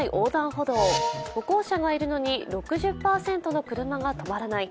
歩行者がいるのに６０％の車が止まらない。